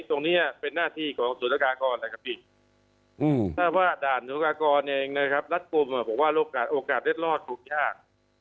ตรงนี้เป็นหน้าที่ของศูนยากรและครับพี่ถ้าว่าด่านศูนยากรเองนะครับรัฐปุ่มบอกว่าโอกาสเร็ดรอดถูกยาก